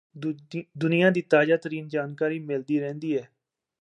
ਦੁਨੀਆਂ ਦੀ ਤਾਜ਼ਾ ਤਰੀਨ ਜਾਣਕਾਰੀ ਮਿਲਦੀ ਰਹਿੰਦੀ ਹੈ